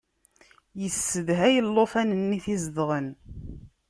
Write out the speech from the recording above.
Yessedhay llufan-nni i t-izedɣen.